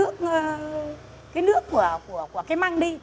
cái nước của cái măng đi